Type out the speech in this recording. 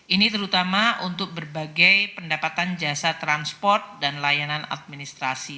ini terutama untuk berbagai pendapatan jasa transport dan layanan administrasi